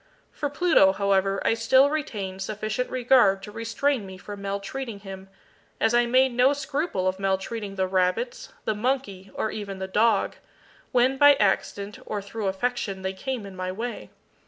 For Pluto, however, I still retained sufficient regard to restrain me from maltreating him, as I made no scruple of maltreating the rabbits, the monkey, or even the dog, when by accident, or through affection, they came in my way.